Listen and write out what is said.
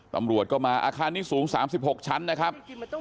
ตำรวจก็มาอาคารนี้สูง๓๖ชั้นนะครับ